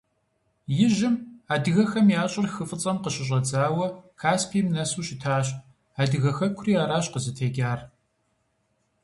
Ижьым адыгэхэм я щӀыр хы ФӀыцӀэм къыщыщӀэдзауэ Каспийм нэсу щытащ, адыгэ хэкури аращ къызытекӀар.